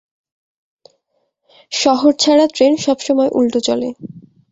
শহর ছাড়া ট্রেন সবসময় উল্টো চলে।